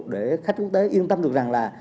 để khách quốc tế yên tâm được rằng là